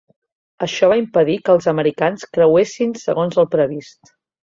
Això va impedir que els americans creuessin segons el previst.